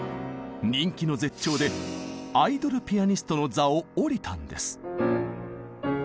人気の絶頂でアイドル・ピアニストの座を降りたんです。